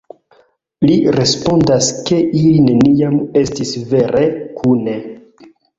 Li respondas ke ili neniam estis vere kune.